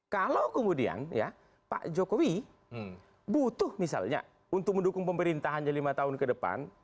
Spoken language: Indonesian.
kalau kemudian ya pak jokowi butuh misalnya untuk mendukung pemerintahannya lima tahun ke depan